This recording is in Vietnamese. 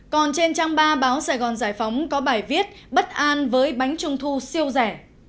còn trên trang ba báo sài gòn giải phóng có bài viết bất an với bánh trung thu siêu rẻ